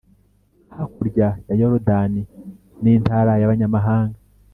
hakurya ya Yorudani n’intara y’abanyamahanga.